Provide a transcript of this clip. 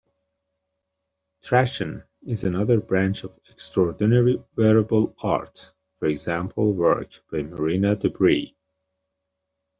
Trashion is another branch of extraordinary wearable art, for example, work by Marina DeBris.